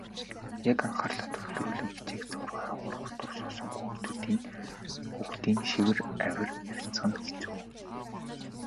Яг анхаарлаа төвлөрүүлэн хичээх зуур хойгуур урдуур суусан хүүхдийн шивэр авир ярилцах нь хэцүү.